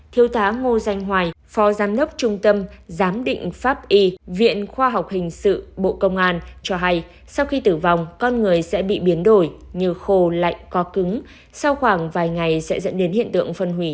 thiếu tá ngô danh hoài phó giám đốc trung tâm giám định pháp y viện khoa học hình sự bộ công an cho hay sau khi tử vong con người sẽ bị biến đổi như khô lạnh có cứng sau khoảng vài ngày sẽ dẫn đến hiện tượng phân hủy